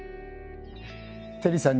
テリーさん